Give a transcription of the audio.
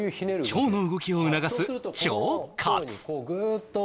腸の動きを促す腸活グーッと